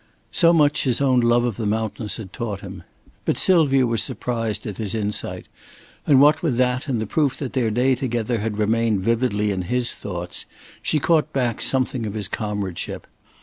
So much his own love of the mountains taught him. But Sylvia was surprised at his insight; and what with that and the proof that their day together had remained vividly in his thoughts, she caught back something of his comradeship.